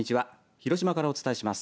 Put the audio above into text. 広島からお伝えします。